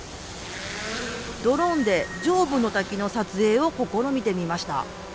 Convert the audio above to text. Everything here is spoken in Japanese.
ドローンで上部の滝の撮影を試みてみました。